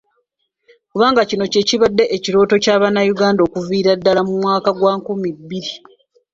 Kubanga kino kye kibadde ekirooto kya Bannayuganda okuviira ddala mu mwaka gwa nkumi bbiri.